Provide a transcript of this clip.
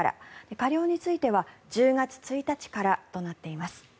過料については１０月１日からとなっています。